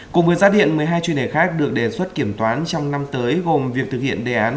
cùng với giá điện một mươi hai chuyên đề khác được đề xuất kiểm toán trong năm tới gồm việc thực hiện đề án